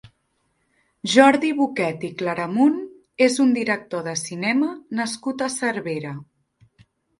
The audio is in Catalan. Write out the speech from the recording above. Jordi Boquet i Claramunt és un director de cinema nascut a Cervera.